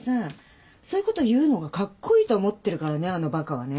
そういうこと言うのがカッコイイと思ってるからねあのバカはね。